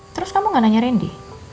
terus kamu gak nanya randy